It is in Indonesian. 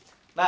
ini buat kamu